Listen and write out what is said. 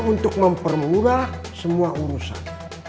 untuk mempermudah semua urusan